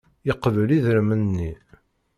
Yeqbel idrimen-nni.